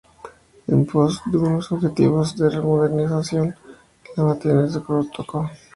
En pos de unos objetivos de modernización, la Maritime Turkish Co.